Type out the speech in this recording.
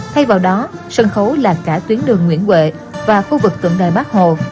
thay vào đó sân khấu là cả tuyến đường nguyễn huệ và khu vực tượng đài bắc hồ